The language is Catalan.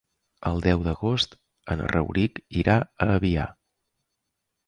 El deu d'agost en Rauric irà a Avià.